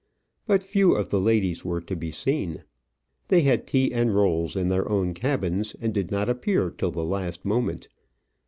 But few of the ladies were to be seen. They had tea and rolls in their own cabins, and did not appear till the last moment.